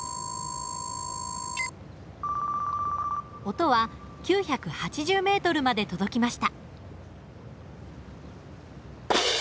音は９８０ｍまで届きました。